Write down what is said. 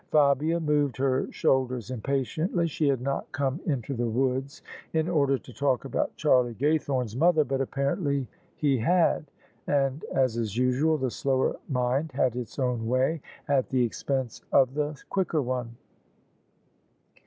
Fabia moved her shoulders impatiently. She had not come into the woods in order to talk about Charlie Gay thorne's mother, but apparently he had : and — as is usual — the slower mind had its own way, at the expense of the OF ISABEL CARNABY quicker one.